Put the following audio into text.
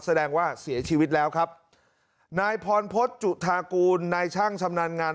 แสดงว่าเสียชีวิตแล้วครับนายพรพฤษจุธากูลนายช่างชำนาญงาน